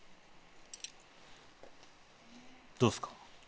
どうですか？